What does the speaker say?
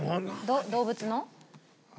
動物の？